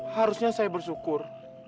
harusnya saya bersyukur